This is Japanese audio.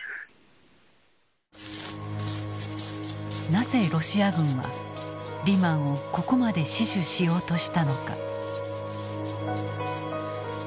なぜロシア軍はリマンをここまで死守しようとしたのか。